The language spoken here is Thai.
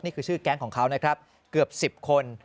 นี่คือชื่อแก๊งของเขานะครับเกือบ๑๐คน